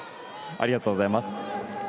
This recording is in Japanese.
ありがとうございます。